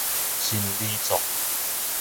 新里族